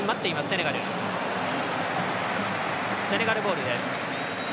セネガルボールです。